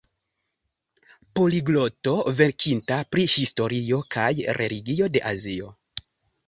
Poligloto verkinta pri historio kaj religio de Azio.